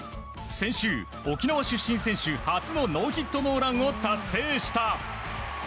先週、沖縄出身選手初のノーヒットノーランを達成した。